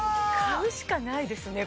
買うしかないですね